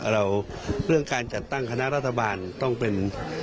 เรื่องการจัดตั้งคณะรัฐบาลต้องเป็น